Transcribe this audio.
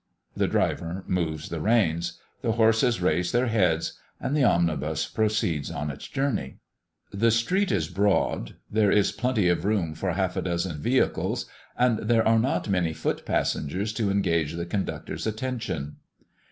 the driver moves the reins; the horses raise their heads; and the omnibus proceeds on its journey. The street is broad. There is plenty of room for half a dozen vehicles, and there are not many foot passengers to engage the conductor's attention.